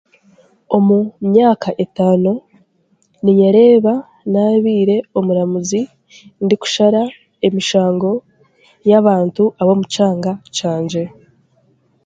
Omu myaka etaano, ninyereeba naabaire omuramuzi ndikushara emishango y'abantu b'omu kyanga kyangye.